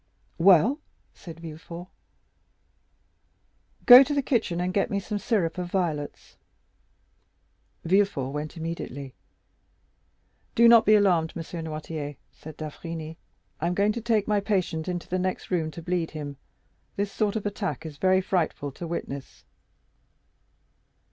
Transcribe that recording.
"Well?" said Villefort. "Go to the kitchen and get me some syrup of violets." Villefort went immediately. "Do not be alarmed, M. Noirtier," said d'Avrigny; "I am going to take my patient into the next room to bleed him; this sort of attack is very frightful to witness."